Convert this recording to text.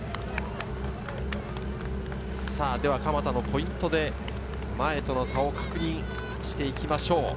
蒲田のポイントで前との差を確認していきましょう。